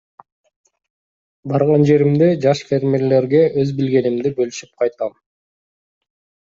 Барган жеримде жаш фермерлерге өз билгенимди бөлүшүп кайтам.